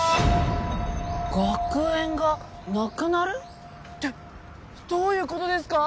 学園がなくなる？ってどういう事ですか？